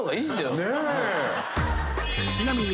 ［ちなみに］